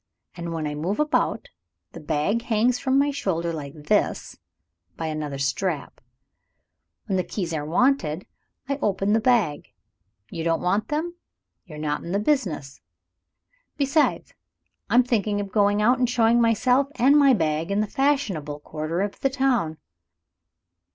And when I move about, the bag hangs from my shoulder, like this, by another strap. When the keys are wanted, I open the bag. You don't want them you're not in the business. Besides, I'm thinking of going out, and showing myself and my bag in the fashionable quarter of the town.